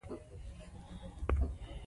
اداري اقدام باید د مساوات اصل مراعات کړي.